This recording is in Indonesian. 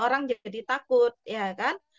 orang jadi takut ya kan